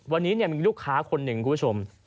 วันนี้มีลูกค้าคนหนึ่งคุณผู้ชม